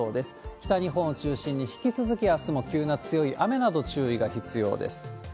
北日本を中心に、引き続きあすも急な強い雨など注意が必要です。